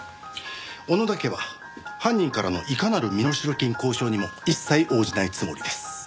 小野田家は犯人からのいかなる身代金交渉にも一切応じないつもりです。